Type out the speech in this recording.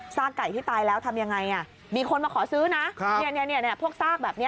ซากไก่ที่ตายแล้วทำยังไงมีคนมาขอซื้อนะพวกซากแบบนี้